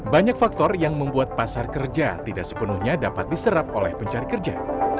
banyak faktor yang membuat pasar kerja tidak sepenuhnya dapat diserap oleh pencari kerja